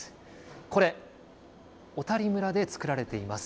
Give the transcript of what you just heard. これ、小谷村で作られています。